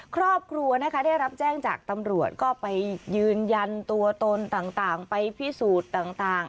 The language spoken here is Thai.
ครอบครัวนะคะได้รับแจ้งจากตำรวจก็ไปยืนยันตัวตนต่างไปพิสูจน์ต่าง